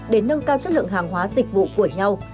để nâng cao chất lượng hàng hóa dịch vụ của nhau